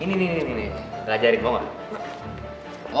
ini ini ini belajarin mau gak